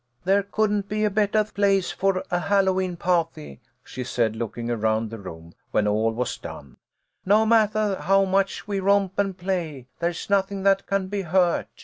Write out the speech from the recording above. "There couldn't be a bettah place for a Hallowe'en pahty," she said, looking around the rooms when all was done. " No mattah how much we romp and play, there's nothing that can be hurt.